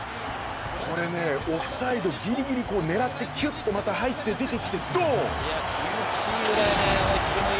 これねオフサイドぎりぎり狙ってきゅっとまた入って出てきてドン！